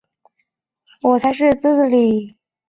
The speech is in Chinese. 我才是姊姊啦！